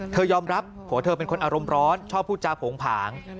ยอมรับผัวเธอเป็นคนอารมณ์ร้อนชอบพูดจาโผงผาง